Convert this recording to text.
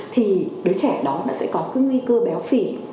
thì đứa trẻ đó là sẽ có cái nguy cơ béo phì